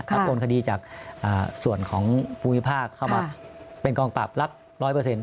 โอนคดีจากส่วนของภูมิภาคเข้ามาเป็นกองปราบรับร้อยเปอร์เซ็นต์